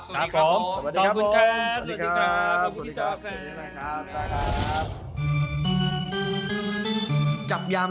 สวัสดีครับผม